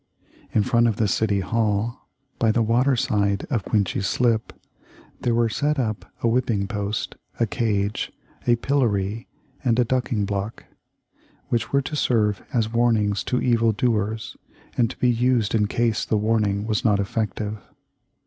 In front of the City Hall, by the water side of Coenties Slip, there were set up a whipping post, a cage, a pillory, and a ducking block; which were to serve as warnings to evil doers, and to be used in case the warning was not effective.